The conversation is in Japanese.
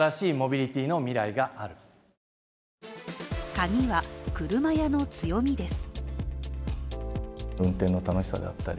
カギはクルマ屋の強みです。